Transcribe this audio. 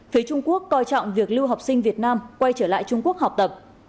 phía trung quốc coi trọng việc lưu học sinh việt nam quay trở lại trung quốc học tập